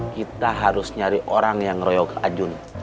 kita harus nyari orang yang royok ajun